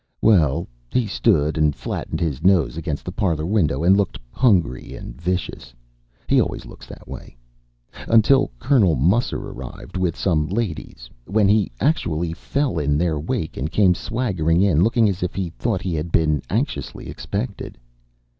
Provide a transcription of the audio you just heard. Well, he stood and flattened his nose against the parlor window, and looked hungry and vicious he always looks that way until Colonel Musser arrived with some ladies, when he actually fell in their wake and came swaggering in looking as if he thought he had been anxiously expected.